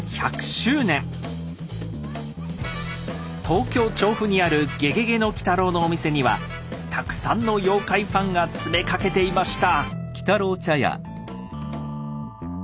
東京・調布にある「ゲゲゲの鬼太郎」のお店にはたくさんの妖怪ファンが詰めかけていました。